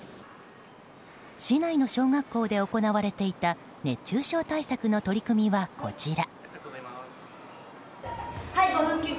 市内の小学校で行われていた熱中症対策の取り組みは、こちら。